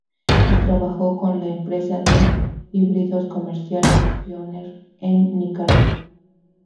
Y trabajó con la empresa de híbridos comerciales Pioneer, en Nicaragua.